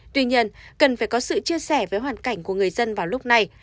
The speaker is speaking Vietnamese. tuy nhiên cần phải có sự chia sẻ với hoàn cảnh của người dân vào lúc này